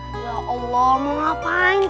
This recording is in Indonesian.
ya allah mau ngapain